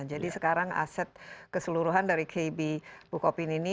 jadi sekarang aset keseluruhan dari kb bukopin ini